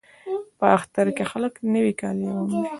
په اختر کې خلک نوي کالي اغوندي.